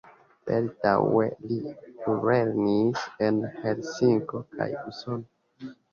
Baldaŭe li plulernis en Helsinko kaj Usono.